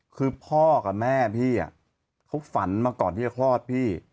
คือพ่อกับแม่พี่เขาฝันมาก่อนที่จะคลอดพี่